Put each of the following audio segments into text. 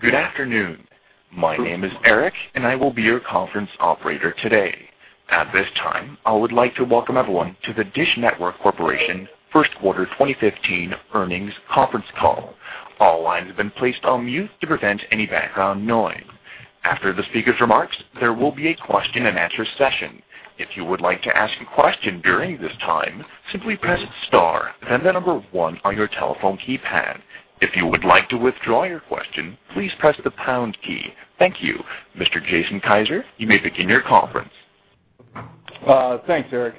Good afternoon. My name is Eric, and I will be your conference operator today. At this time, I would like to welcome everyone to the DISH Network Corporation First Quarter 2015 Earnings Conference Call. All lines have been placed on mute to prevent any background noise. After the speaker's remarks, there will be a question-and-answer session. If you would like to ask a question during this time, simply press star then the number one on your telephone keypad. If you would like to withdraw your question, please press the pound key. Thank you. Mr. Jason Kiser, you may begin your conference. Thanks, Eric.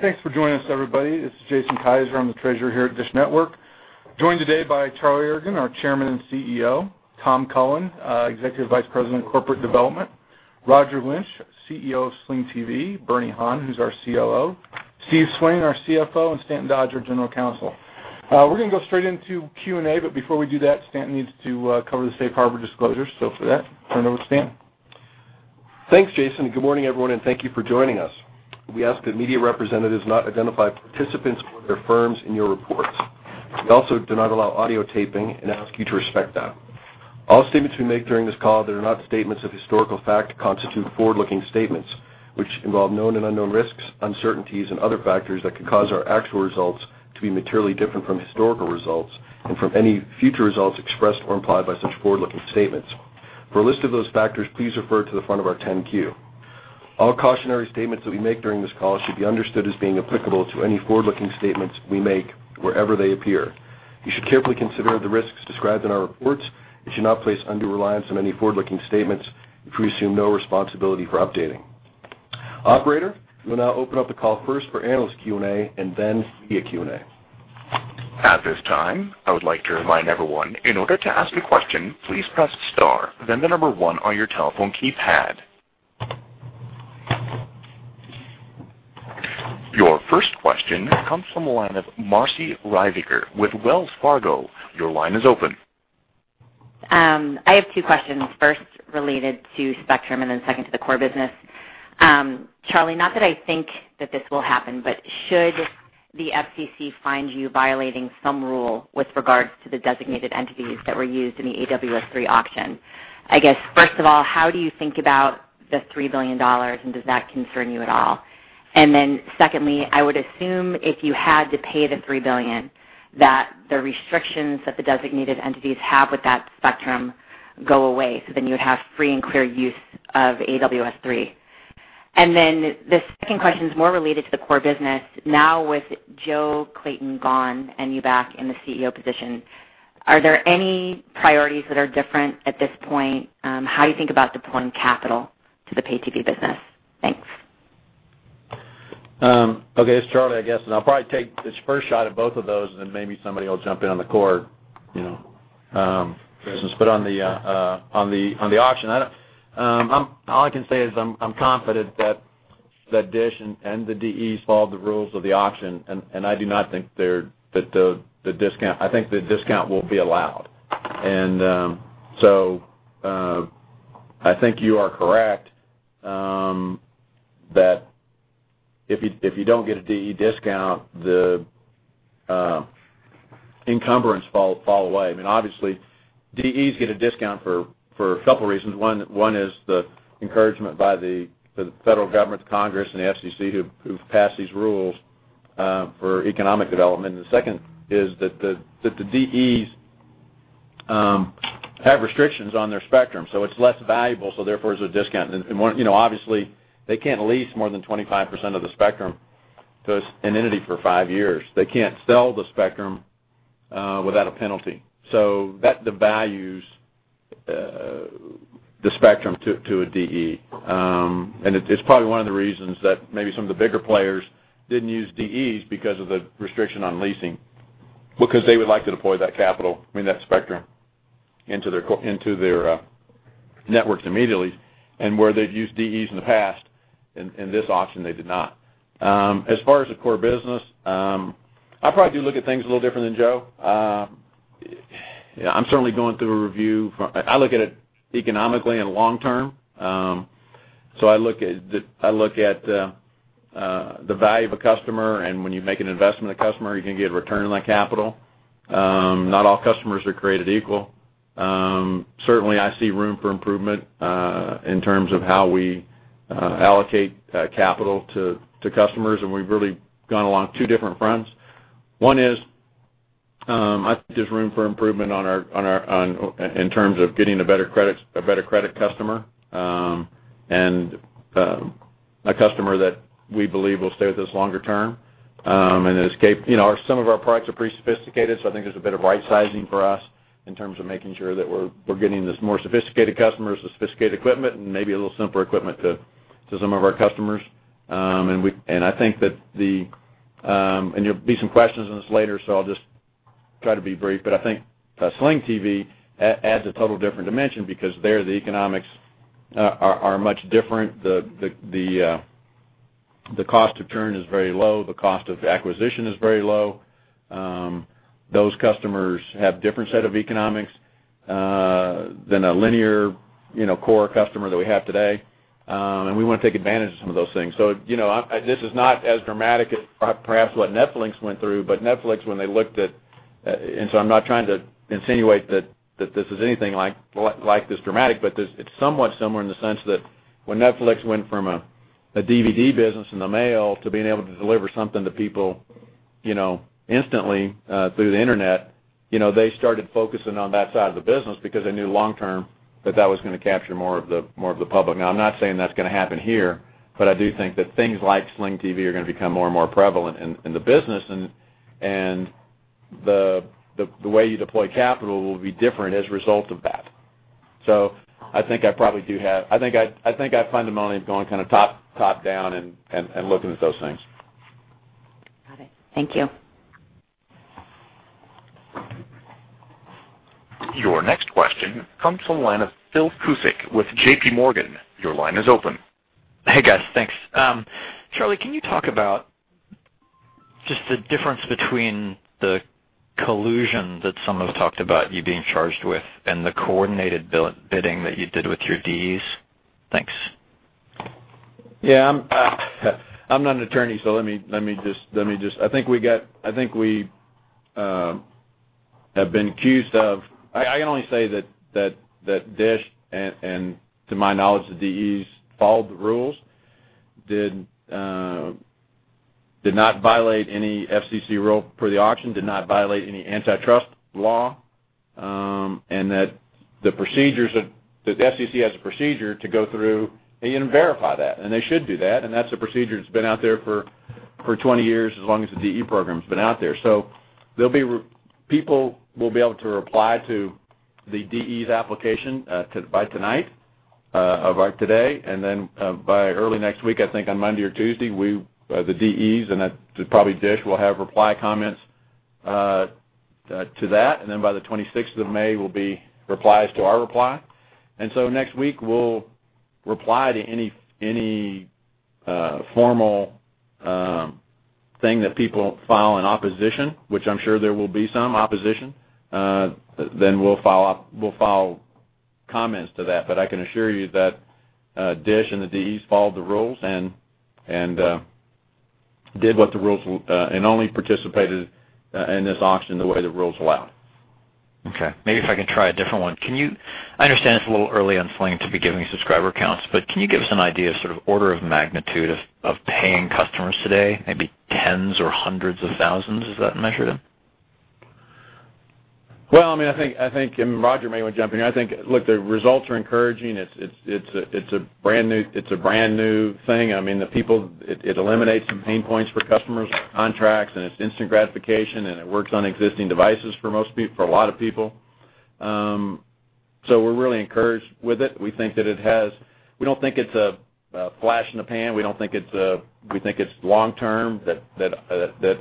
Thanks for joining us everybody. This is Jason Kiser. I'm the Treasurer here at DISH Network, joined today by Charlie Ergen, our Chairman and CEO, Tom Cullen, Executive Vice President of Corporate Development, Roger Lynch, CEO of Sling TV, Bernie Han, who's our COO, Steve Swain, our CFO, and Stanton Dodge, our General Counsel. We're gonna go straight into Q&A. Before we do that, Stanton needs to cover the safe harbor disclosure. For that, turn it over to Stan. Thanks, Jason. Good morning, everyone, and thank you for joining us. We ask that media representatives not identify participants or their firms in your reports. We also do not allow audio taping and ask you to respect that. All statements we make during this call that are not statements of historical fact constitute forward-looking statements, which involve known and unknown risks, uncertainties and other factors that could cause our actual results to be materially different from historical results and from any future results expressed or implied by such forward-looking statements. For a list of those factors, please refer to the front of our 10-Q. All cautionary statements that we make during this call should be understood as being applicable to any forward-looking statements we make wherever they appear. You should carefully consider the risks described in our reports and should not place undue reliance on any forward-looking statements if we assume no responsibility for updating. Operator, we'll now open up the call first for analyst Q&A and then via Q&A. Your first question comes from the line of Marci Ryvicker with Wells Fargo. Your line is open. I have two questions. First, related to spectrum, second to the core business. Charlie, not that I think that this will happen, but should the FCC find you violating some rule with regards to the designated entities that were used in the AWS-3 auction? I guess, first of all, how do you think about the $3 billion and does that concern you at all? Secondly, I would assume if you had to pay the $3 billion, that the restrictions that the designated entities have with that spectrum go away, you would have free and clear use of AWS-3. The second question is more related to the core business. Now, with Joe Clayton gone and you back in the CEO position, are there any priorities that are different at this point? How do you think about deploying capital to the pay-TV business? Thanks. Okay. It's Charlie, I guess, and I'll probably take the first shot at both of those, and then maybe somebody will jump in on the core, you know, business. On the, on the auction, I don't all I can say is I'm confident that DISH and the DEs followed the rules of the auction and I do not think that the discount I think the discount will be allowed. I think you are correct that if you don't get a DE discount the encumbrance fall away. Obviously DEs get a discount for a couple reasons. One is the encouragement by the federal government, Congress and the FCC who've passed these rules for economic development. The second is that the DEs have restrictions on their spectrum, so it's less valuable, so therefore there's a discount. One, you know obviously they can't lease more than 25% of the spectrum to an entity for 5 years. They can't sell the spectrum without a penalty. That devalues the spectrum to a DE. It's probably one of the reasons that maybe some of the bigger players didn't use DEs because of the restriction on leasing, because they would like to deploy that capital, I mean that spectrum into their networks immediately and where they've used DEs in the past in this auction they did not. As far as the core business, I probably do look at things a little different than Joe. You know I'm certainly going through a review from I look at it economically and long term. I look at the value of a customer and when you make an investment in a customer, are you gonna get a return on that capital? Not all customers are created equal. Certainly I see room for improvement in terms of how we allocate capital to customers and we've really gone along two different fronts. One is, I think there's room for improvement on our, in terms of getting a better credit, a better credit customer, and a customer that we believe will stay with us longer term, and escape You know our some of our products are pretty sophisticated, so I think there's a bit of right sizing for us in terms of making sure that we're getting this more sophisticated customers the sophisticated equipment and maybe a little simpler equipment to some of our customers. And I think that the, and there'll be some questions on this later, so I'll just try to be brief. I think Sling TV adds a total different dimension because there the economics are much different. The cost to churn is very low. The cost of acquisition is very low. Those customers have different set of economics than a linear, you know, core customer that we have today. We want to take advantage of some of those things. You know, I, this is not as dramatic as perhaps what Netflix went through, but Netflix when they looked at. I'm not trying to insinuate that this is anything like this dramatic, but it's somewhat similar in the sense that when Netflix went from a DVD business in the mail to being able to deliver something to people, you know, instantly, through the internet, you know, they started focusing on that side of the business because they knew long term that that was gonna capture more of the public. I'm not saying that's gonna happen here, but I do think that things like Sling TV are gonna become more and more prevalent in the business and the way you deploy capital will be different as a result of that. I fundamentally am going kind of top down and looking at those things. Got it. Thank you. Your next question comes from the line of Phil Cusick with JPMorgan. Your line is open. Hey, guys. Thanks. Charlie, can you talk about just the difference between the collusion that some have talked about you being charged with and the coordinated bidding that you did with your DEs? Thanks. I'm not an attorney, so let me just. I think we have been accused of, I can only say that DISH and to my knowledge, the DEs followed the rules. Did not violate any FCC rule for the auction, did not violate any antitrust law, and the FCC has a procedure to go through and verify that, and they should do that. That's a procedure that's been out there for 20 years, as long as the DE program's been out there. People will be able to reply to the DE's application by tonight of today. Then, by early next week, I think on Monday or Tuesday, we, the DEs, so probably DISH will have reply comments to that. Then by the 26th of May will be replies to our reply. Next week, we'll reply to any formal thing that people file in opposition, which I'm sure there will be some opposition. Then we'll file comments to that. I can assure you that DISH and the DEs followed the rules and did what the rules and only participated in this auction the way the rules allow. Okay. Maybe if I can try a different one. I understand it's a little early on Sling to be giving subscriber counts, can you give us an idea of sort of order of magnitude of paying customers today, maybe tens or hundreds of thousands, is that measured in? I think Roger may want to jump in here. The results are encouraging. It's a brand new thing. It eliminates some pain points for customers with contracts, and it's instant gratification, and it works on existing devices for a lot of people. We're really encouraged with it. We don't think it's a flash in the pan. We think it's long term, that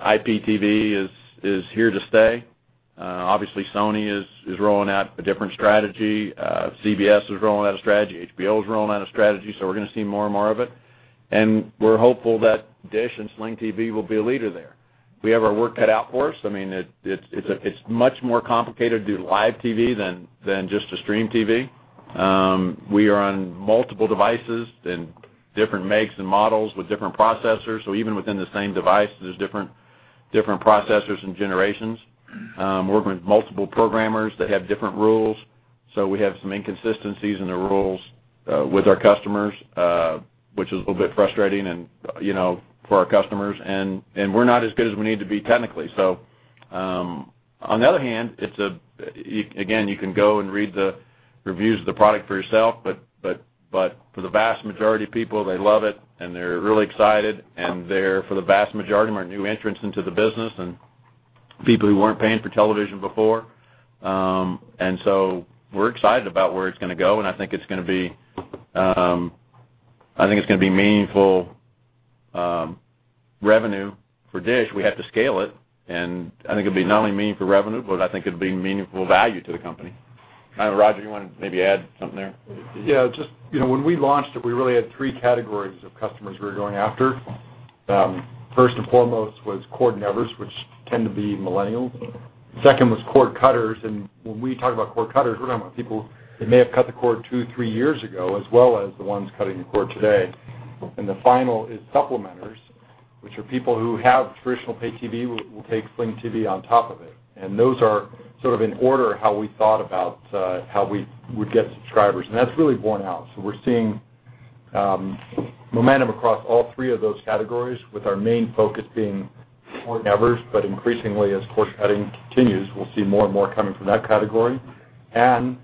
IPTV is here to stay. Obviously Sony is rolling out a different strategy. CBS is rolling out a strategy. HBO is rolling out a strategy. We're gonna see more and more of it. We're hopeful that DISH and Sling TV will be a leader there. We have our work cut out for us. I mean, it's much more complicated to do live TV than just to stream TV. We are on multiple devices and different makes and models with different processors. Even within the same device, there's different processors and generations. Working with multiple programmers that have different rules. We have some inconsistencies in the rules with our customers, which is a little bit frustrating and, you know, for our customers. We're not as good as we need to be technically. On the other hand, again, you can go and read the reviews of the product for yourself, but for the vast majority of people, they love it and they're really excited, and they're, for the vast majority of them, are new entrants into the business and people who weren't paying for television before. We're excited about where it's gonna go, and I think it's gonna be, I think it's gonna be meaningful revenue for DISH. We have to scale it, and I think it'll be not only meaningful revenue, but I think it'll be meaningful value to the company. I don't know, Roger, you want to maybe add something there? Yeah, just, you know, when we launched it, we really had 3 categories of customers we were going after. First and foremost was cord nevers, which tend to be millennials. Second was cord cutters, and when we talk about cord cutters, we're talking about people that may have cut the cord 2, 3 years ago, as well as the ones cutting the cord today. The final is supplementers, which are people who have traditional pay TV will take Sling TV on top of it. Those are sort of in order how we thought about how we would get subscribers. That's really borne out. We're seeing momentum across all 3 of those categories with our main focus being cord nevers, but increasingly as cord cutting continues, we'll see more and more coming from that category. It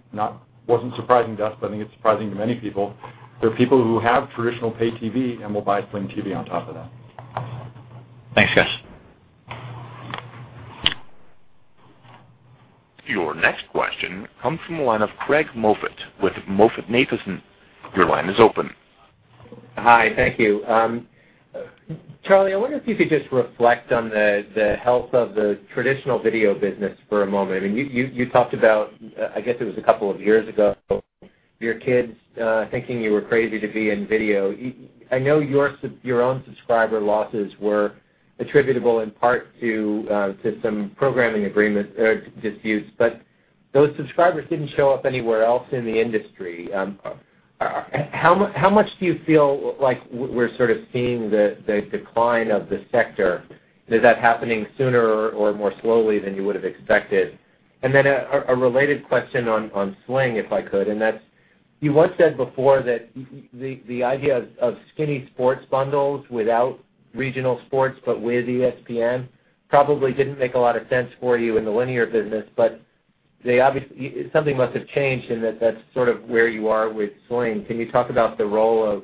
wasn't surprising to us, but I think it's surprising to many people. There are people who have traditional pay TV and will buy Sling TV on top of that. Thanks, guys. Your next question comes from the line of Craig Moffett with MoffettNathanson. Your line is open. Hi, thank you. Charlie, I wonder if you could just reflect on the health of the traditional video business for a moment. I mean, you talked about, I guess it was 2 years ago, your kids thinking you were crazy to be in video. I know your own subscriber losses were attributable in part to some programming agreement disputes. Those subscribers didn't show up anywhere else in the industry. How much do you feel like we're sort of seeing the decline of the sector? Is that happening sooner or more slowly than you would've expected? Then a related question on Sling, if I could, and that's you once said before that the idea of skinny sports bundles without regional sports but with ESPN probably didn't make a lot of sense for you in the linear business, but Something must have changed in that that's sort of where you are with Sling. Can you talk about the role of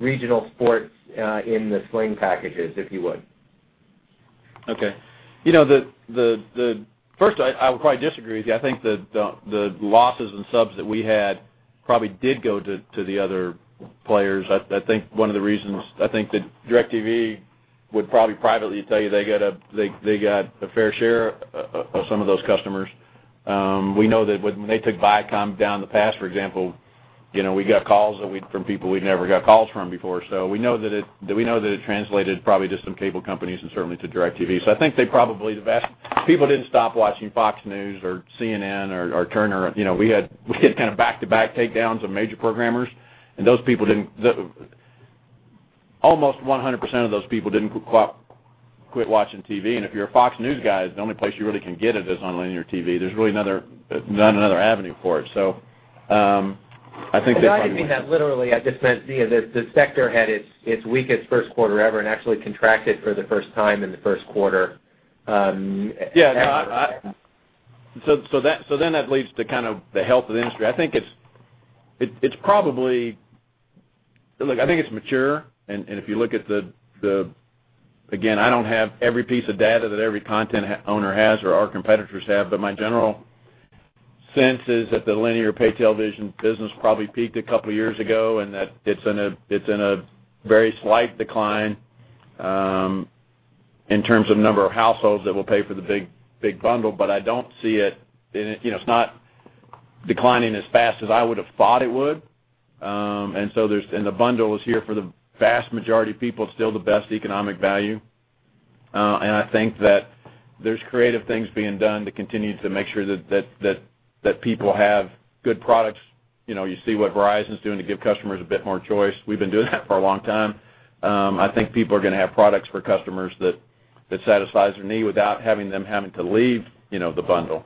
regional sports in the Sling packages, if you would? Okay. You know, the First, I would probably disagree with you. I think the losses in subs that we had probably did go to the other players. I think one of the reasons I think that DirecTV would probably privately tell you they got a fair share of some of those customers. We know that when they took Viacom down in the past, for example, you know, we got calls from people we'd never got calls from before. We know that it translated probably to some cable companies and certainly to DirecTV. I think they probably, the vast People didn't stop watching Fox News or CNN or Turner. You know, we had kind of back-to-back takedowns of major programmers, and those people didn't Almost 100% of those people didn't quit watching TV, and if you're a Fox News guy, the only place you really can get it is on linear TV. There's really another, not another avenue for it. Well, no, I didn't mean that literally. I just meant, you know, the sector had its weakest first quarter ever and actually contracted for the first time in the first quarter ever. That leads to kind of the health of the industry. I think it's probably Look, I think it's mature, and if you look at the Again, I don't have every piece of data that every content owner has or our competitors have, but my general sense is that the linear pay television business probably peaked a couple years ago and that it's in a very slight decline in terms of number of households that will pay for the big bundle, but I don't see it in You know, it's not declining as fast as I would've thought it would. The bundle is here for the vast majority of people, still the best economic value. I think that there's creative things being done to continue to make sure that people have good products. You know, you see what Verizon's doing to give customers a bit more choice. We've been doing that for a long time. I think people are gonna have products for customers that satisfies their need without having them having to leave, you know, the bundle.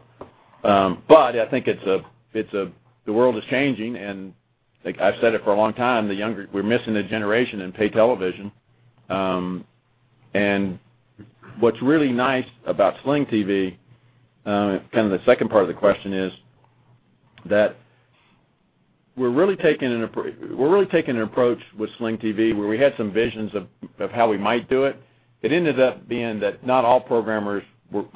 I think the world is changing, and like I've said it for a long time, We're missing a generation in pay television. What's really nice about Sling TV, kind of the second part of the question is, that we're really taking an approach with Sling TV where we had some visions of how we might do it. It ended up being that not all programmers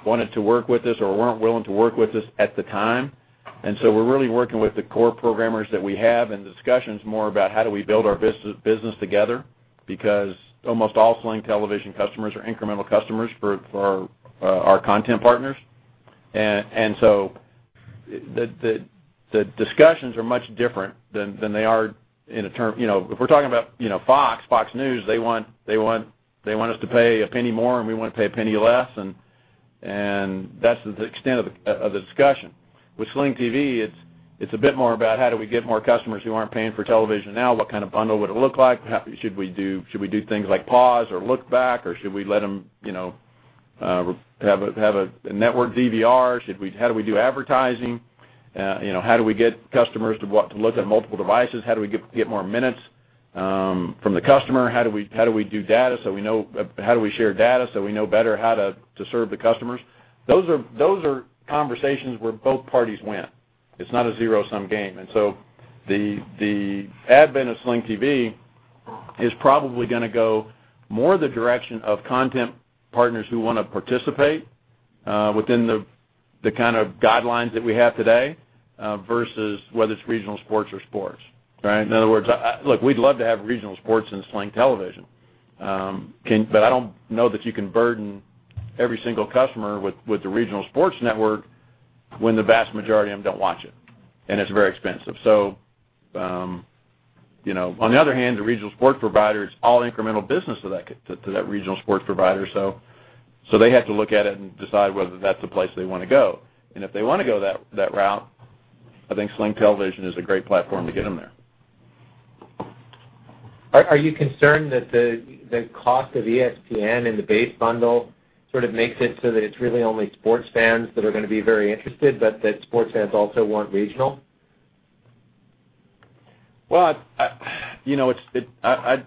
wanted to work with us or weren't willing to work with us at the time. We're really working with the core programmers that we have and the discussion's more about how do we build our business together because almost all Sling TV customers are incremental customers for, our content partners. The discussions are much different than they are in a term. You know, if we're talking about, you know, Fox News, they want us to pay $0.01 more, and we want to pay $0.01 less, and that's the extent of the discussion. With Sling TV, it's a bit more about how do we get more customers who aren't paying for television now, what kind of bundle would it look like? Should we do things like pause or look back or should we let them have a network DVR? How do we do advertising? How do we get customers to look at multiple devices? How do we get more minutes from the customer? How do we do data? How do we share data so we know better how to serve the customers? Those are conversations where both parties win. It's not a zero-sum game. The advent of Sling TV is probably going to go more the direction of content partners who want to participate within the kind of guidelines that we have today versus whether it's regional sports or sports, right? In other words, I look, we'd love to have regional sports in Sling TV. I don't know that you can burden every single customer with the regional sports network when the vast majority of them don't watch it, and it's very expensive. You know, on the other hand, the regional sports provider, it's all incremental business to that regional sports provider. They have to look at it and decide whether that's a place they want to go. If they want to go that route, I think Sling TV is a great platform to get them there. Are you concerned that the cost of ESPN in the base bundle sort of makes it so that it's really only sports fans that are going to be very interested, but that sports fans also want regional? Well, you know, it's, it I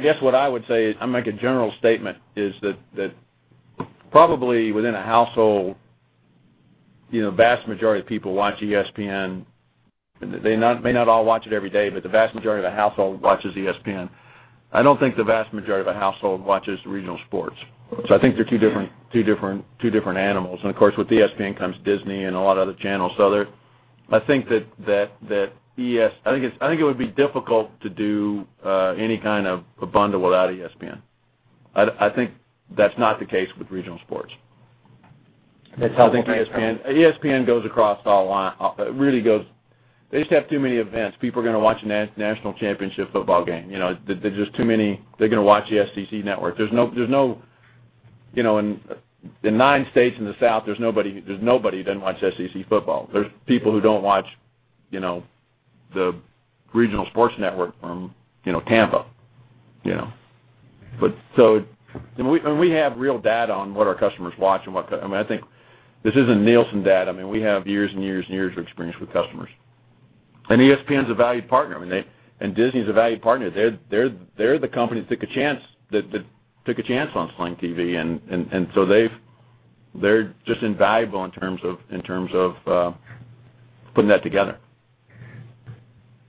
guess what I would say is, I'll make a general statement, is that probably within a household, you know, vast majority of people watch ESPN. They may not all watch it every day, but the vast majority of the household watches ESPN. I don't think the vast majority of the household watches regional sports. I think they're 2 different animals. Of course, with ESPN comes Disney and a lot of other channels. They're I think that I think it's, I think it would be difficult to do any kind of a bundle without ESPN. I think that's not the case with regional sports. That's how- I think ESPN goes across all line. They just have too many events. People are gonna watch a national championship football game. You know, there's just too many. They're gonna watch the SEC Network. There's no. You know, in nine states in the South, there's nobody who doesn't watch SEC football. There's people who don't watch, you know, the regional sports network from, you know, Tampa, you know. We have real data on what our customers watch and what. I mean, I think this isn't Nielsen data. I mean, we have years and years and years of experience with customers. ESPN's a valued partner, I mean. Disney's a valued partner. They're the companies that took a chance, that took a chance on Sling TV, and so they're just invaluable in terms of putting that together.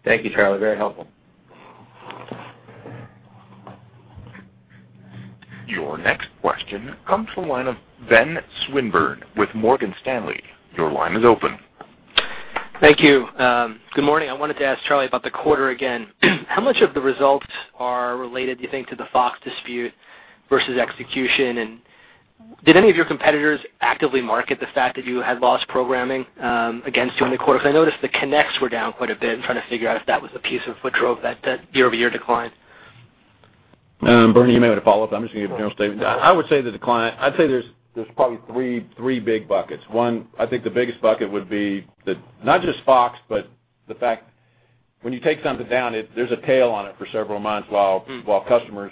Thank you, Charlie. Very helpful. Your next question comes from the line of Ben Swinburne with Morgan Stanley. Your line is open. Thank you. Good morning. I wanted to ask Charlie about the quarter again. How much of the results are related, you think, to the Fox dispute versus execution? Did any of your competitors actively market the fact that you had lost programming, against you in the quarter? I noticed the connects were down quite a bit. I'm trying to figure out if that was a piece of what drove that year-over-year decline. Bernie, you may want to follow up. I'm just gonna give a general statement. I would say the decline I'd say there's probably three big buckets. One, I think the biggest bucket would be the not just Fox, but the fact when you take something down, there's a tail on it for several months while customers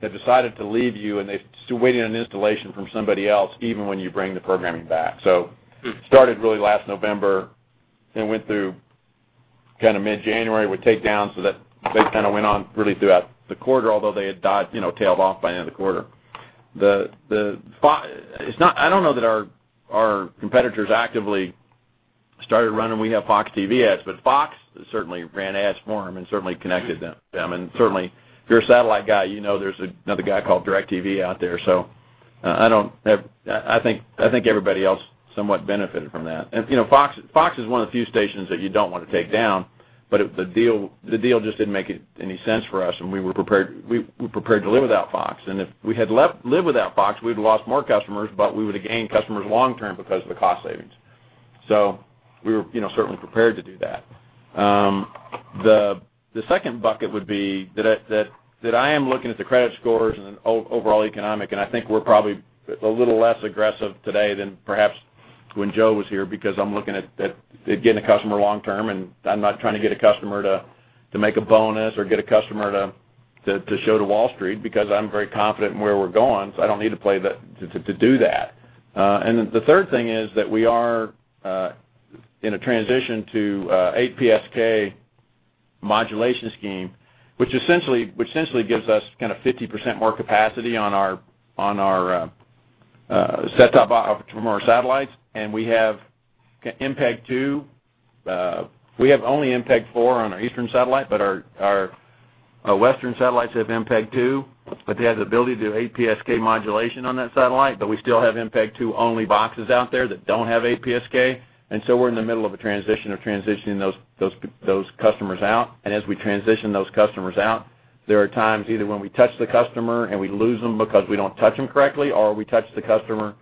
have decided to leave you, and they're still waiting on installation from somebody else, even when you bring the programming back. Started really last November and went through kinda mid-January with takedowns so that they kinda went on really throughout the quarter, although they had, you know, tailed off by the end of the quarter. Fox. It's not I don't know that our competitors actively started running, "We have Fox TV ads," but Fox certainly ran ads for them and certainly connected them. Certainly, if you're a satellite guy, you know there's another guy called DirecTV out there. I think everybody else somewhat benefited from that. You know, Fox is one of the few stations that you don't want to take down, but the deal just didn't make any sense for us, and we were prepared to live without Fox. If we had lived without Fox, we'd have lost more customers, but we would've gained customers long term because of the cost savings. We were, you know, certainly prepared to do that. The second bucket would be that I am looking at the credit scores and then overall economic, and I think we're probably a little less aggressive today than perhaps when Joe was here because I'm looking at getting a customer long term, and I'm not trying to get a customer to make a bonus or get a customer to show to Wall Street because I'm very confident in where we're going, so I don't need to play to do that. Then the third thing is that we are in a transition to an 8PSK modulation scheme, which essentially gives us kinda 50% more capacity on our set-top from our satellites. We have MPEG-2. We have only MPEG-4 on our eastern satellite, but our western satellites have MPEG-2, but they have the ability to do 8PSK modulation on that satellite. We still have MPEG-2 only boxes out there that don't have 8PSK, and so we're in the middle of a transition of transitioning those customers out. As we transition those customers out, there are times either when we touch the customer and we lose them because we don't touch them correctly, or we touch the customer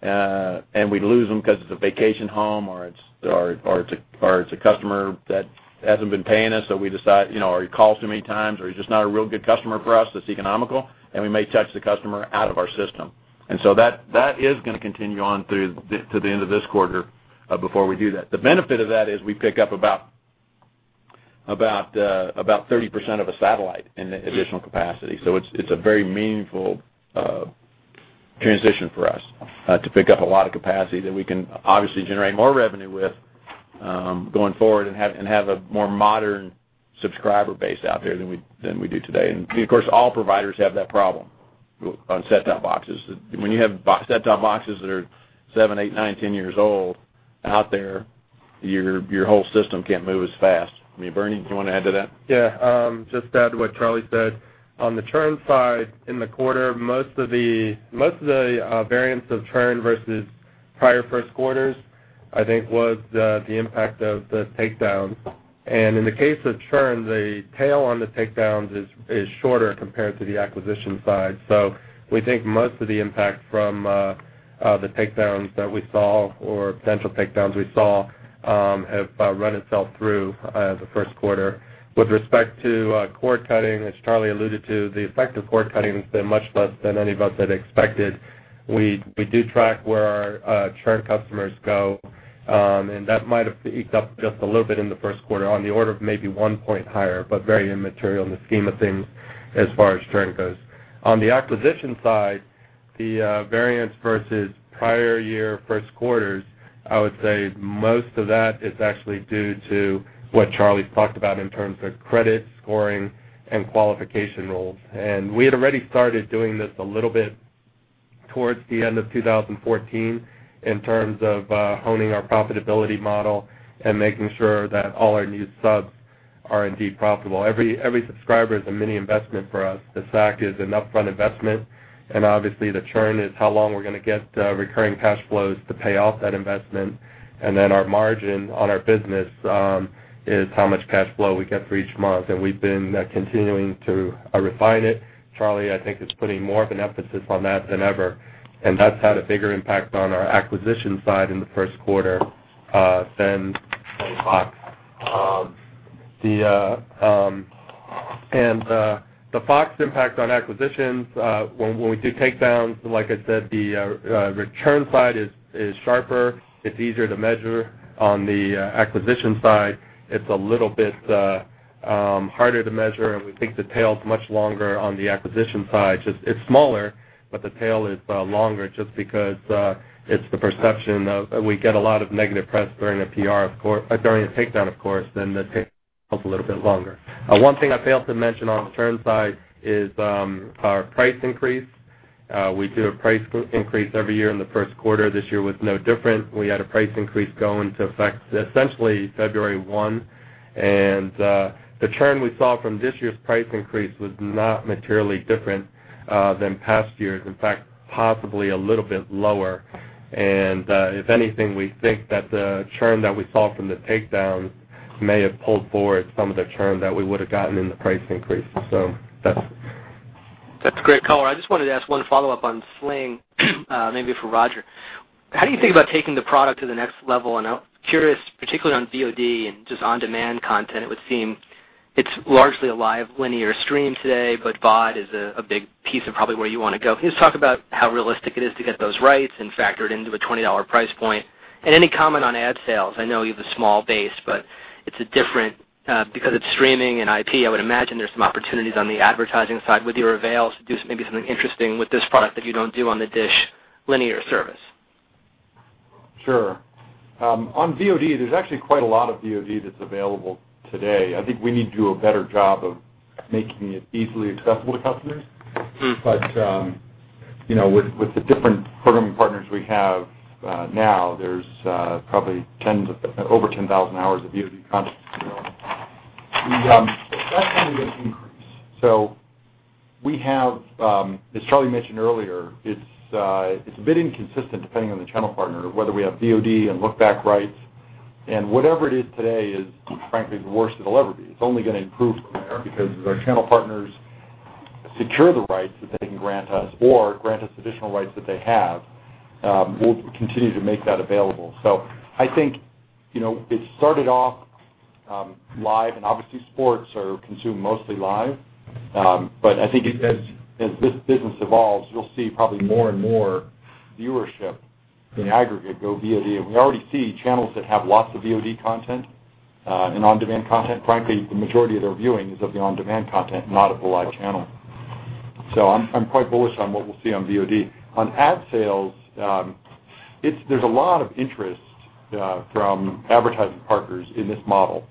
and we lose them because it's a vacation home or it's a customer that hasn't been paying us, so we decide, you know, or he calls too many times or he's just not a real good customer for us that's economical, and we may touch the customer out of our system. That is gonna continue on through the, to the end of this quarter before we do that. The benefit of that is we pick up about 30% of a satellite in the additional capacity. It's a very meaningful transition for us to pick up a lot of capacity that we can obviously generate more revenue with going forward and have a more modern subscriber base out there than we do today. Of course, all providers have that problem on set-top boxes. When you have set-top boxes that are seven, eight, nine, 10 years old out there, your whole system can't move as fast. I mean, Bernie, do you want to add to that? Yeah. Just to add to what Charlie said. On the churn side in the quarter, most of the variance of churn versus prior first quarters, I think, was the impact of the takedowns. In the case of churn, the tail on the takedowns is shorter compared to the acquisition side. We think most of the impact from the takedowns that we saw or potential takedowns we saw have run itself through the first quarter. With respect to cord cutting, as Charlie alluded to, the effect of cord cutting has been much less than any of us had expected. We do track where our churn customers go. That might have eked up just a little bit in the first quarter on the order of maybe 1 point higher, very immaterial in the scheme of things as far as churn goes. On the acquisition side, the variance versus prior year first quarters, I would say most of that is actually due to what Charlie's talked about in terms of credit scoring and qualification rules. We had already started doing this a little bit towards the end of 2014 in terms of honing our profitability model and making sure that all our new subs are indeed profitable. Every subscriber is a mini investment for us. The SAC is an upfront investment. Obviously, the churn is how long we're gonna get recurring cash flows to pay off that investment. Our margin on our business is how much cash flow we get for each month, and we've been continuing to refine it. Charlie, I think, is putting more of an emphasis on that than ever, and that's had a bigger impact on our acquisition side in the first quarter than Fox. The Fox impact on acquisitions, when we do takedowns, like I said, the return side is sharper. It's easier to measure. On the acquisition side, it's a little bit harder to measure, and we think the tail's much longer on the acquisition side. Just it's smaller, but the tail is longer just because it's the perception of We get a lot of negative press during the PR of course during a takedown, of course, then the tail is a little bit longer. One thing I failed to mention on the return side is our price increase. We do a price increase every year in the first quarter. This year was no different. We had a price increase go into effect essentially February 1. The churn we saw from this year's price increase was not materially different than past years. In fact, possibly a little bit lower. If anything, we think that the churn that we saw from the takedowns may have pulled forward some of the churn that we would've gotten in the price increase. That's great, Colin. I just wanted to ask one follow-up on Sling, maybe for Roger. How do you think about taking the product to the next level? I'm curious, particularly on VOD and just on-demand content, it would seem it's largely a live linear stream today, but VOD is a big piece of probably where you wanna go. Can you just talk about how realistic it is to get those rights and factor it into a $20 price point? Any comment on ad sales. I know you have a small base, but it's a different, because it's streaming and IP, I would imagine there's some opportunities on the advertising side with your avails to do maybe something interesting with this product that you don't do on the DISH linear service. Sure. On VOD, there's actually quite a lot of VOD that's available today. I think we need to do a better job of making it easily accessible to customers. You know, with the different programming partners we have now, there's probably tens of over 10,000 hours of VOD content available. That's gonna get increased. We have, as Charlie mentioned earlier, it's a bit inconsistent depending on the channel partner, whether we have VOD and look-back rights. Whatever it is today is frankly the worst it'll ever be. It's only gonna improve from there because as our channel partners secure the rights that they can grant us or grant us additional rights that they have, we'll continue to make that available. I think, you know, it started off live, and obviously sports are consumed mostly live. I think as this business evolves, you'll see probably more and more viewership in aggregate go VOD. We already see channels that have lots of VOD content and on-demand content. Frankly, the majority of their viewing is of the on-demand content, not of the live channel. I'm quite bullish on what we'll see on VOD. On ad sales, there's a lot of interest from advertising partners in this model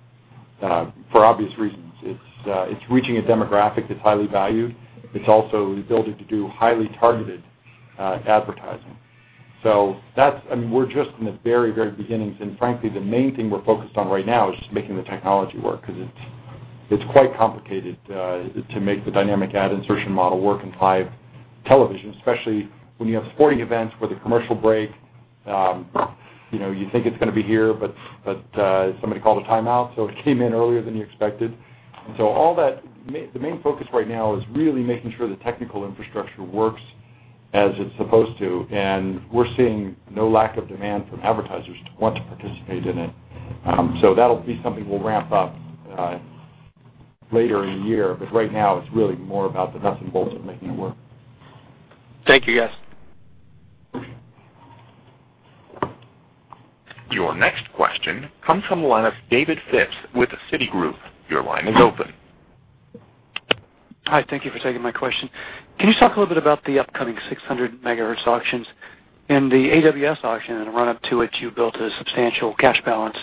for obvious reasons. It's reaching a demographic that's highly valued. It's also the ability to do highly targeted advertising. That's I mean, we're just in the very, very beginnings. Frankly, the main thing we are focused on right now is just making the technology work 'cause it's quite complicated to make the dynamic ad insertion model work in live television, especially when you have sporting events where the commercial break, you know, you think it's gonna be here, but somebody called a timeout, so it came in earlier than you expected. All the main focus right now is really making sure the technical infrastructure works as it's supposed to, and we are seeing no lack of demand from advertisers to want to participate in it. That'll be something we'll ramp up later in the year. Right now it's really more about the nuts and bolts of making it work. Thank you, guys. Your next question comes from the line of David with Citigroup. Your line is open. Hi, thank you for taking my question. Can you talk a little bit about the upcoming 600 MHz auctions? In the AWS-3 auction, in the run-up to it, you built a substantial cash balance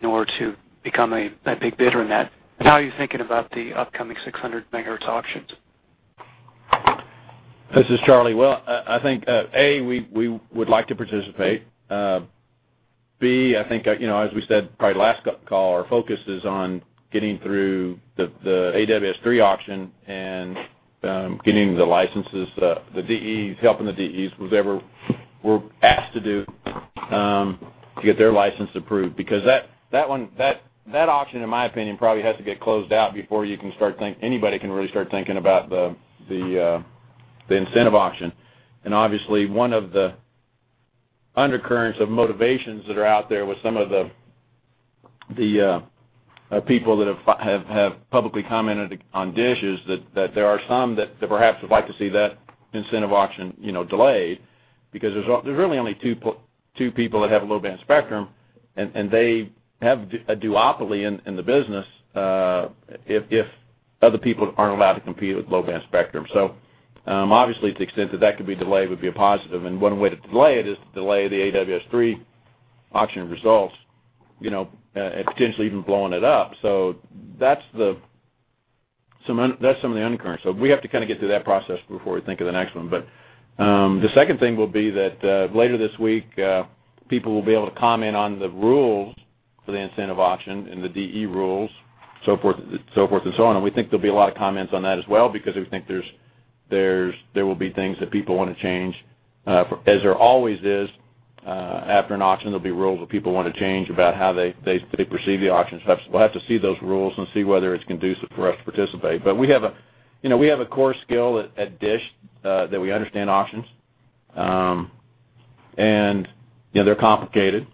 in order to become a big bidder in that. How are you thinking about the upcoming 600 MHz auctions? This is Charlie. I think A, we would like to participate. B, I think, you know, as we said probably last call, our focus is on getting through the AWS-3 auction and getting the licenses, the DEs, helping the DEs, whatever we're asked to do, to get their license approved. Because that one, that auction, in my opinion, probably has to get closed out before you can start anybody can really start thinking about the incentive auction. Obviously, one of the undercurrents of motivations that are out there with some of the people that have publicly commented on DISH is that there are some that perhaps would like to see that incentive auction, you know, delayed because there's really only 2 people that have low-band spectrum, and they have a duopoly in the business, if other people aren't allowed to compete with low-band spectrum. Obviously, to the extent that that could be delayed would be a positive. One way to delay it is to delay the AWS-3 auction results, you know, and potentially even blowing it up. That's some of the undercurrent. We have to kinda get through that process before we think of the next one. The second thing will be that later this week, people will be able to comment on the rules for the incentive auction and the DE rules, so forth and so on. We think there'll be a lot of comments on that as well because we think there will be things that people wanna change, as there always is. After an auction, there'll be rules that people wanna change about how they perceive the auction. We'll have to see those rules and see whether it's conducive for us to participate. We have a core skill at DISH that we understand auctions. You know, they're complicated.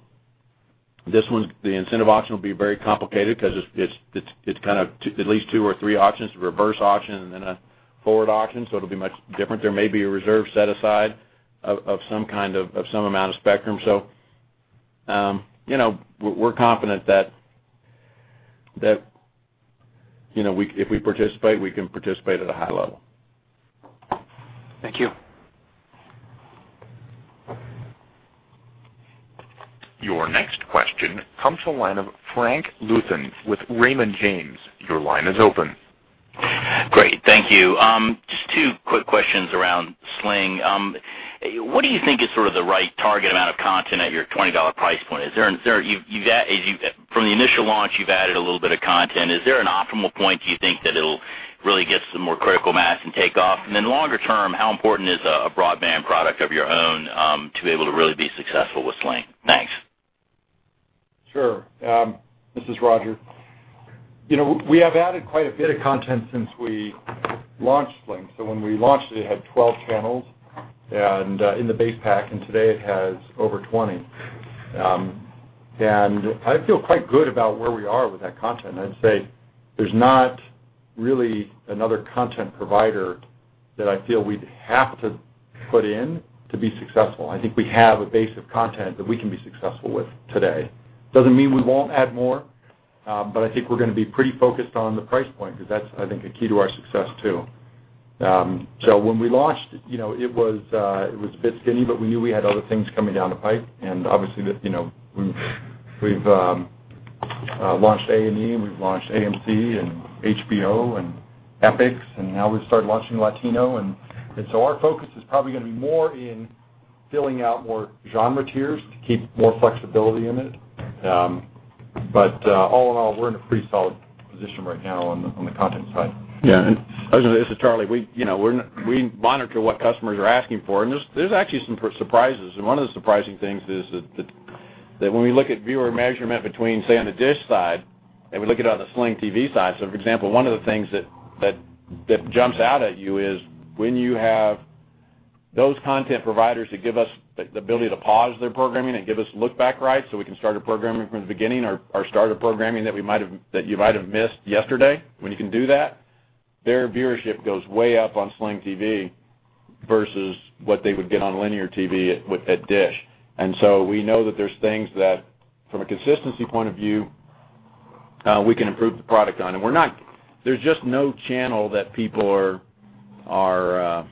The incentive auction will be very complicated 'cause it's at least two or three auctions, a reverse auction and then a forward auction, so it'll be much different. There may be a reserve set aside of some kind of some amount of spectrum. You know, we're confident that, you know, if we participate, we can participate at a high level. Thank you. Your next question comes from the line of Frank Louthan with Raymond James. Your line is open. Great. Thank you. Just two quick questions around Sling. What do you think is sort of the right target amount of content at your $20 price point? As you've from the initial launch, you've added a little bit of content. Is there an optimal point, do you think, that it'll really get some more critical mass and take off? Then longer term, how important is a broadband product of your own, to be able to really be successful with Sling? Thanks. Sure. This is Roger. You know, we have added quite a bit of content since we launched Sling. When we launched, it had 12 channels in the base pack, and today it has over 20. I feel quite good about where we are with that content. I'd say there's not really another content provider that I feel we'd have to put in to be successful. I think we have a base of content that we can be successful with today. Doesn't mean we won't add more, but I think we're gonna be pretty focused on the price point because that's, I think, a key to our success, too. When we launched, you know, it was a bit skinny, but we knew we had other things coming down the pipe. Obviously, you know, we've launched A&E, and we've launched AMC and HBO and EPIX, and now we've started launching DishLATINO. Our focus is probably gonna be more in filling out more genre tiers to keep more flexibility in it. All in all, we're in a pretty solid position right now on the content side. Yeah. This is Charlie. We, you know, we monitor what customers are asking for, and there's actually some surprises. One of the surprising things is that when we look at viewer measurement between, say, on the DISH side and we look at it on the Sling TV side, so for example, one of the things that jumps out at you is when you have those content providers that give us the ability to pause their programming and give us look back rights, so we can start a programming from the beginning or start a programming that you might have missed yesterday, when you can do that, their viewership goes way up on Sling TV versus what they would get on linear TV at, with, at DISH. We know that there's things that, from a consistency point of view, we can improve the product on. There's just no channel that people are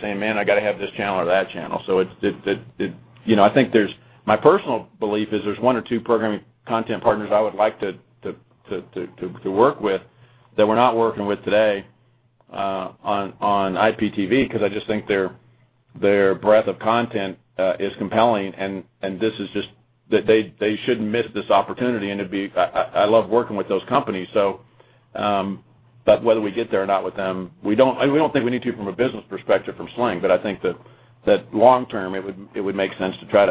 saying, "Man, I gotta have this channel or that channel." You know, I think there's My personal belief is there's one or two programming content partners I would like to work with that we're not working with today on IPTV 'cause I just think their breadth of content is compelling and this is just That they shouldn't miss this opportunity, and it'd be I love working with those companies. Whether we get there or not with them, I mean, we don't think we need to from a business perspective from Sling, but I think that long term, it would make sense to try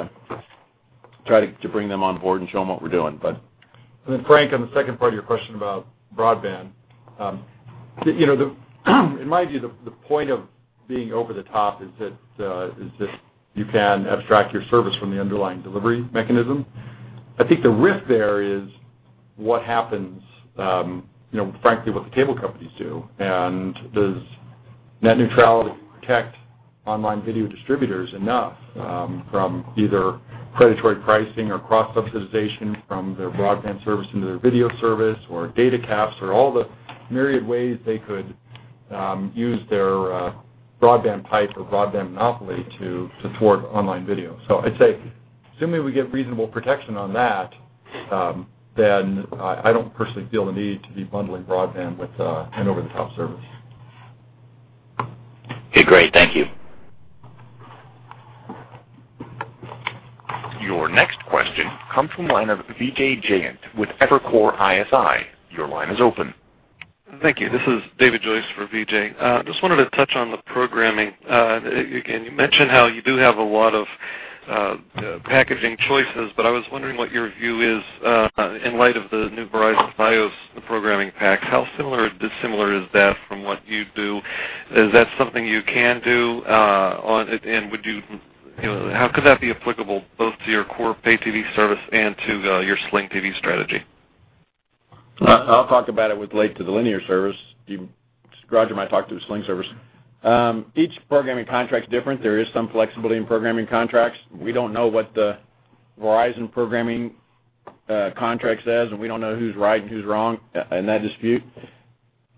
to bring them on board and show them what we're doing. Frank, on the second part of your question about broadband, you know, in my view, the point of being over-the-top is that you can abstract your service from the underlying delivery mechanism. I think the risk there is what happens, you know, frankly, what the cable companies do. Does Net Neutrality protect online video distributors enough from either predatory pricing or cross-subsidization from their broadband service into their video service or data caps or all the myriad ways they could use their broadband pipe or broadband monopoly to thwart online video? I'd say assuming we get reasonable protection on that, then I don't personally feel the need to be bundling broadband with an over-the-top service. Okay. Great. Thank you. Your next question comes from line of Vijay Jayant with Evercore ISI. Your line is open. Thank you. This is David Joyce for Vijay. Just wanted to touch on the programming. Again, you mentioned how you do have a lot of packaging choices, but I was wondering what your view is in light of the new Verizon Fios programming pack. How similar or dissimilar is that from what you do? Is that something you can do? Would you know, how could that be applicable both to your core pay TV service and to your Sling TV strategy? I'll talk about it with relate to the linear service. Roger might talk to the Sling TV service. Each programming contract's different. There is some flexibility in programming contracts. We don't know what the Verizon programming contract says, and we don't know who's right and who's wrong in that dispute.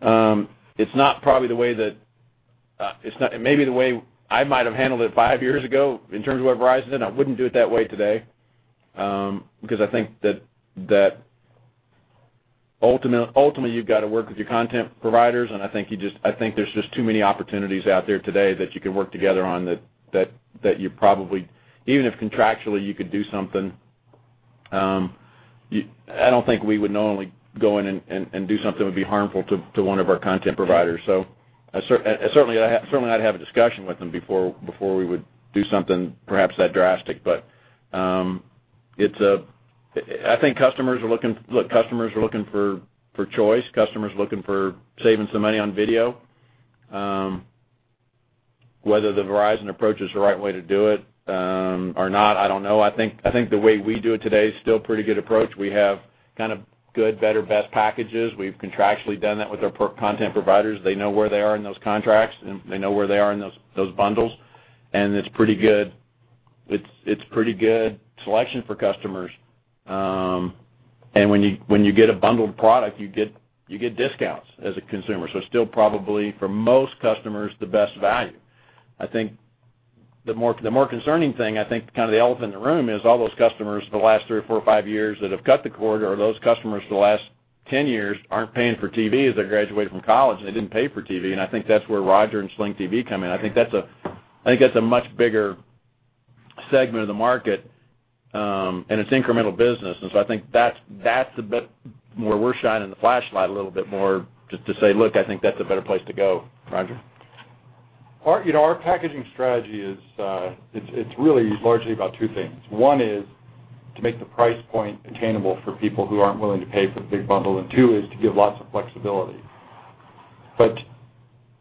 It's not probably the way that It may be the way I might have handled it five years ago in terms of what Verizon did. I wouldn't do it that way today, because I think that ultimately, you've got to work with your content providers, and I think there's just too many opportunities out there today that you can work together on that you probably even if contractually you could do something, I don't think we would knowingly go in and do something that would be harmful to one of our content providers. Certainly, I'd have a discussion with them before we would do something perhaps that drastic. It's, I think customers are looking. Customers are looking for choice. Customers are looking for saving some money on video. Whether the Verizon approach is the right way to do it or not, I don't know. I think the way we do it today is still pretty good approach. We have kind of good, better, best packages. We've contractually done that with our content providers. They know where they are in those contracts, and they know where they are in those bundles, and it's pretty good. It's pretty good selection for customers. And when you get a bundled product, you get discounts as a consumer. Still probably for most customers, the best value. I think the more concerning thing, I think kind of the elephant in the room is all those customers for the last 3 or 4 or 5 years that have cut the cord are those customers for the last 10 years aren't paying for TV as they graduated from college, and they didn't pay for TV, and I think that's where Roger and Sling TV come in. I think that's a much bigger segment of the market, and it's incremental business. I think that's a bit where we're shining the flashlight a little bit more just to say, "Look, I think that's a better place to go." Roger? Our, you know, our packaging strategy is, it's really largely about two things. One is to make the price point attainable for people who aren't willing to pay for the big bundle. Two is to give lots of flexibility.